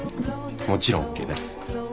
もちろんＯＫだよ。